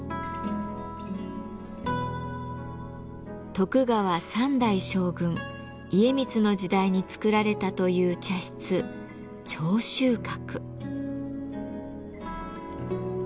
徳川三代将軍・家光の時代に造られたという茶室「聴秋閣」。